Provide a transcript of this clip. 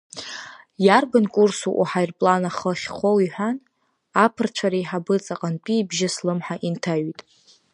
Иарбан курсу уҳаирплан ахы ахьхоу иҳәан, аԥырцәа реиҳабы ҵаҟантәи ибжьы слымҳа инҭаҩит.